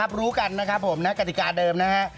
รู้กันนะครับผมนะกติกาเดิมนะฮะ